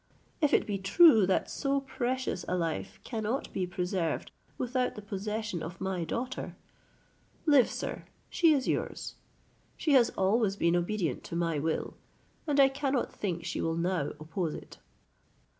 If it be true that so precious a life cannot be preserved without the possession of my daughter, live, sir, she is yours. She has always been obedient to my will, and I cannot think she will now oppose it."